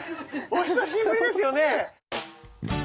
お久しぶりですよね。